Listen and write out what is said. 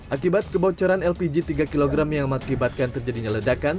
akibat kebocoran lpg tiga kg yang mengakibatkan terjadinya ledakan